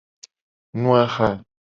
Nu aha.